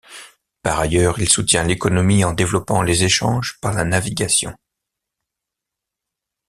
Par ailleurs, il soutient l'économie en développant les échanges par la navigation.